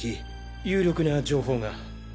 有力な情報が。